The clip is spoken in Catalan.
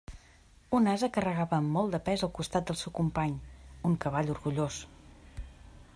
Un ase carregava amb molt de pes al costat del seu company, un cavall orgullós.